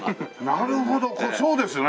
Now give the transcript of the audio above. なるほどそうですね。